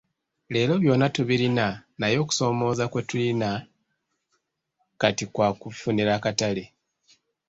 Leero byonna tubirina naye okusoomooza kwe tulina kati kwa kubifunira akatale.